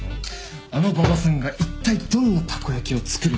あの馬場さんがいったいどんなたこ焼きを作るのか。